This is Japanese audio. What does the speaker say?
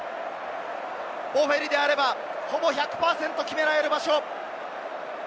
ボフェリであれば、ほぼ１００％決められる場所。